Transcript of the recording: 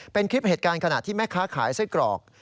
เป็นคลิปเหตุการณ์ขณะที่แม่ค้าขายไส้กรอก